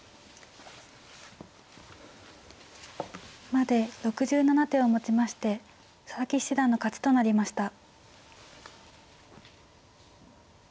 まで６７手をもちまして佐々木七段の勝ちとなりました。